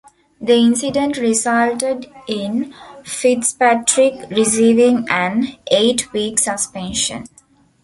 The incident resulted in Fitzpatrick receiving an eight-week suspension.